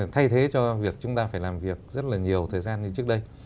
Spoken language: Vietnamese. thay thế cho việc chúng ta phải làm việc rất là nhiều thời gian như trước đây